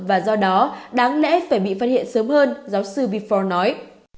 và do đó đáng lẽ phải bị phát hiện sớm hơn giáo sư bforn nói